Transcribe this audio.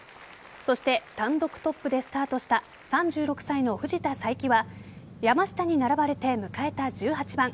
そして単独トップでスタートした３６歳の藤田さいきは山下に並ばれて迎えた１８番。